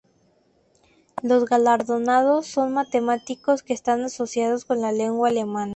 Los galardonados son matemáticos que están asociadas con la lengua alemana.